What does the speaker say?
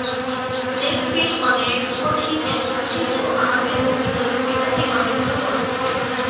Leg spin অনেক কঠিন একটা শিল্প, আমাদের দুই লেগ স্পিনারই অনেক তরুণ।